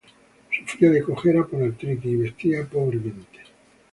Sufría de cojera por artritis y vestía pobremente.